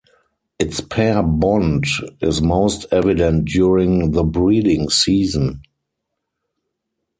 Its pair bond is most evident during the breeding season.